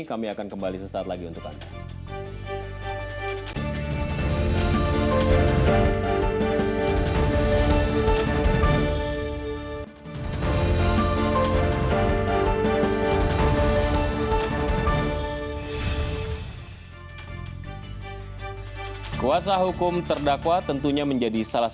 kami akan kembali sesaat lagi untuk anda